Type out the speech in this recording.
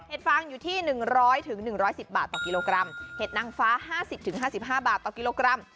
เห็ดฟางอยู่ที่หนึ่งร้อยถึงหนึ่งร้อยสิบบาทต่อกิโลกรัมเห็ดนางฟ้าห้าสิบถึงห้าสิบห้าบาทต่อกิโลกรัม